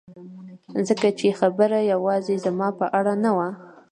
ځکه چې خبره یوازې زما په اړه نه وه